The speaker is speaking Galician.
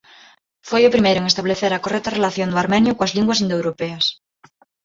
Foi o primeiro en establecer a correcta relación do armenio coas linguas indoeuropeas.